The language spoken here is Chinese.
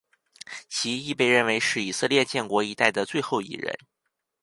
其亦被认为是以色列建国一代的最后一人。